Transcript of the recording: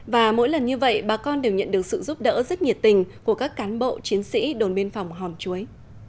và mỗi lần như vậy bà con đều nhận được sự giúp đỡ rất nhiệt tình của các cán bộ chiến sĩ đồn biên phòng hòn chuối